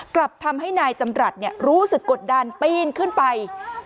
กลับทำให้นายจำรัฐรู้สึกกดดันปีนขึ้นไป